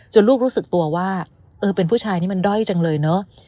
ลูกรู้สึกตัวว่าเออเป็นผู้ชายนี่มันด้อยจังเลยเนอะ